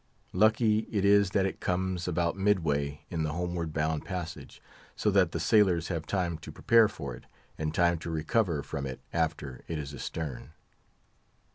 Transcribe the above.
Lucky it is that it comes about midway in the homeward bound passage, so that the sailors have time to prepare for it, and time to recover from it after it is astern.